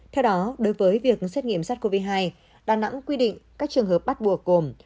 theo đó đối với việc xét nghiệm sars cov hai đà nẵng quy định các trường hợp bắt buộc gồm